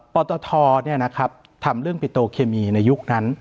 ปตททำเรื่องปิโตเคมีในยุคนั้น